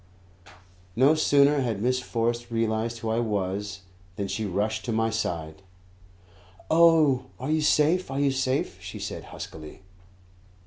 No sooner had Miss Forrest realized who I was, than she rushed to my side. "Oh, are you safe are you safe?" she said huskily.